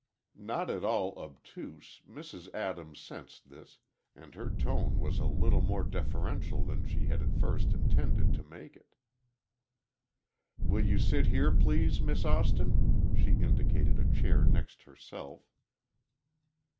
Not at all obtuse, Mrs. Adams sensed this, and her tone was a little more deferential than she had at first intended to make it. "Will you sit here, please, Miss Austin?" she indicated a chair next herself.